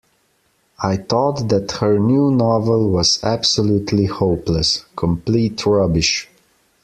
I thought that her new novel was absolutely hopeless. Complete rubbish